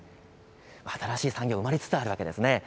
新しい産業が生まれつつあるわけです。